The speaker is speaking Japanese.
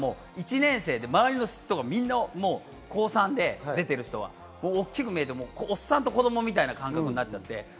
その時は１年生で、周りの人がみんな高３で、大きく見えて、おっさんと子供みたいな感覚になって。